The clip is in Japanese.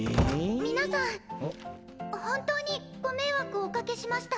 皆さん本当にご迷惑おかけしました。